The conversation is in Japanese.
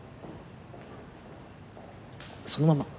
そのまま？